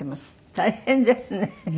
大変ですね。